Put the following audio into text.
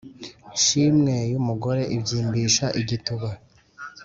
nshimwe y'umugore ibyimbisha igituba.